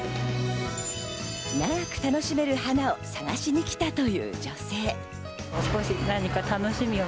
長く楽しめる花を探しに来たという女性。